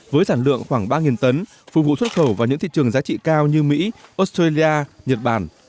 với sản lượng khoảng ba tấn phục vụ xuất khẩu vào những thị trường giá trị cao như mỹ australia nhật bản